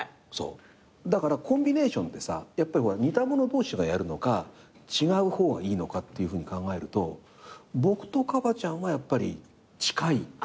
だからコンビネーションでさ似た者同士がやるのか違う方がいいのかっていうふうに考えると僕とカバちゃんはやっぱり近い。